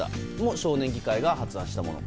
少年議会が発案したもの。